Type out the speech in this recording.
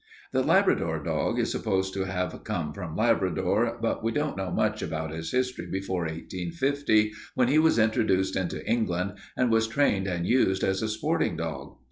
"The Labrador dog is supposed to have come from Labrador, but we don't know much about his history before 1850, when he was introduced into England and was trained and used as a sporting dog.